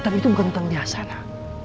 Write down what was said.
hutan itu bukan hutan biasa nak